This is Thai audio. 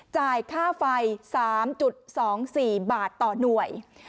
จ่ายค่าไฟ๓๒๔บาทต่อหน่วย